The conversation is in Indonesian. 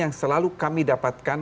yang selalu kami dapatkan